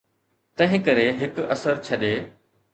تنهنڪري هڪ اثر ڇڏي.